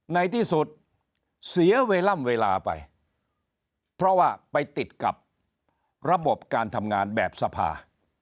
ในที่สุดเสียเวลาไปเพราะว่าไปติดกับระบบการทำงานแบบสภา